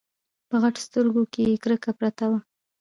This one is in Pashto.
په غټو سترګو کې يې کرکه پرته وه.